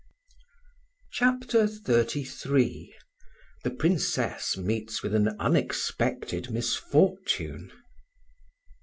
CHAPTER XXXIII THE PRINCESS MEETS WITH AN UNEXPECTED MISFORTUNE.